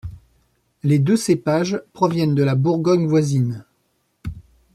Les deux cépages proviennent de la Bourgogne voisine.